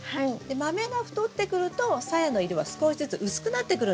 マメが太ってくるとさやの色は少しずつ薄くなってくるんです。